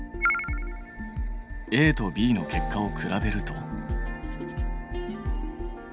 ＡとＢの結果を比べると。